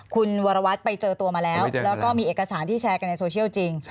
คุณวรวัตรไปเจอตัวมาแล้วแล้วก็มีเอกสารที่แชร์กันในโซเชียลจริง